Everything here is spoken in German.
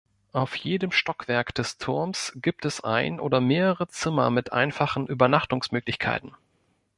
Auf jedem Stockwerk des Turms gibt es ein oder mehrere Zimmer mit einfachen Übernachtungsmöglichkeiten.